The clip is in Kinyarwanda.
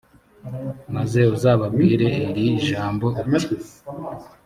maze uzababwire iri jambo uti